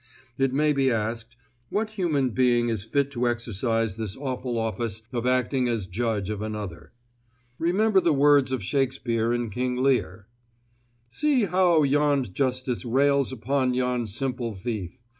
It may be asked, What human being is fit to exercise this awful office of acting as judge of another? Remember the words of Shakespeare in King Lear: "... .See how yond justice rails upon yond simple thief.